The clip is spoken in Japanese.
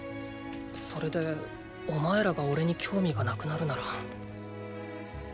それでお前らがおれに興味がなくなるなら。